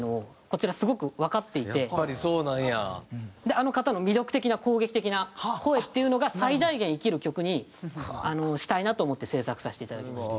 あの方の魅力的な攻撃的な声っていうのが最大限生きる曲にしたいなと思って制作させていただきました。